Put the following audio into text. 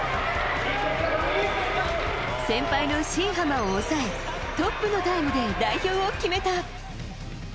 先輩の新濱を抑え、トップのタイムで代表を決めた。